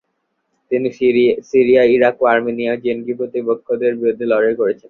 তিনি Syria, Iraq ও আর্মেনিয়ায় জেনগি প্রতিপক্ষদের বিরুদ্ধে লড়াই করেছেন।